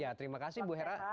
ya terima kasih bu hera